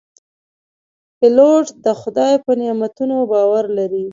پیلوټ د خدای په نعمتونو باور لري.